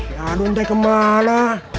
ya aduh entah kemana